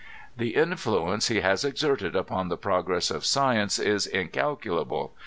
The influence he has exerted upon the progress of science is incalculable.